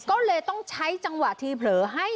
ก็เลยต้องใช้จังหวะทีเผลอให้